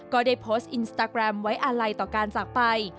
ก็ได้โพสต์อินสตาแกรมไว้อาลัยต่อการจากไป